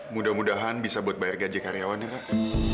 mudah mudahan bisa buat bayar gaji karyawan ya pak